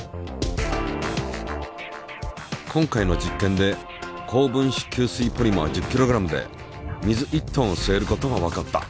今回の実験で高分子吸水ポリマー１０ｋｇで水１ｔを吸えることがわかった。